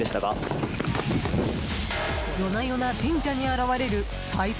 夜な夜な神社に現れるさい銭